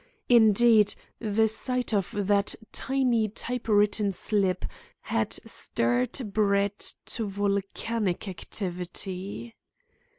Indeed, the sight of that tiny type written slip had stirred Brett to volcanic activity.